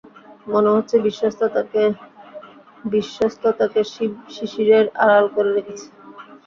মনে হচ্ছে, বিশ্বস্ততাকে শিশিরের আড়াল করে রেখেছি।